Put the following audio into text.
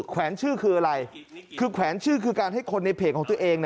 แวนชื่อคืออะไรคือแขวนชื่อคือการให้คนในเพจของตัวเอง